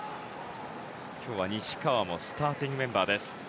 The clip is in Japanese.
今日は西川もスターティングメンバーです。